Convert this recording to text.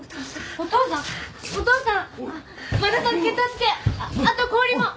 お父さん！